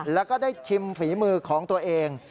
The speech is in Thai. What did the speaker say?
แล้วก็ได้ชิมฝีมือของตัวเอง